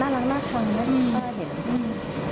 น่ารักน่าช้อนก็เห็น